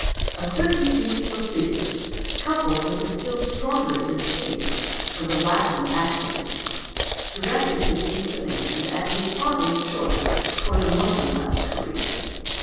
A certain taste for figures, coupled with a still stronger distaste for the Latin accidence, directed his inclination and his father's choice towards a mercantile career.